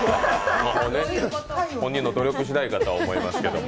本人の努力次第かと思いますけども。